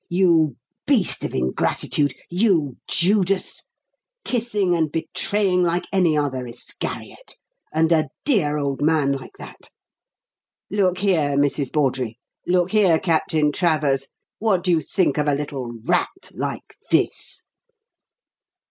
"You beast of ingratitude you Judas! Kissing and betraying like any other Iscariot! And a dear old man like that! Look here, Mrs. Bawdrey; look here Captain Travers; what do you think of a little rat like this?"